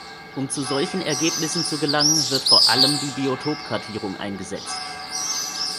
Um zu solchen Ergebnissen zu gelangen, wird vor allem die Biotopkartierung eingesetzt.